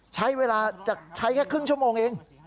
ใช้เวลาใช้แค่ครึ่งชั่วโมงเอง